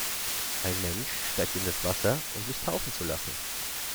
Ein Mensch steigt in das Wasser, um sich taufen zu lassen.